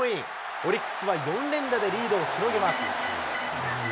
オリックスは４連打でリードを広げます。